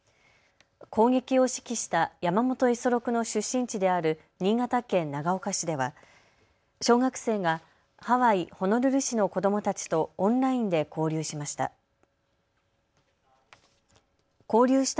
攻撃を指揮した山本五十六の出身地である新潟県長岡市では小学生がハワイ・ホノルル市の子どもたちとオンラインで交流しました。